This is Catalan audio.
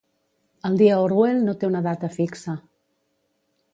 El Dia Orwell no té una data fixa.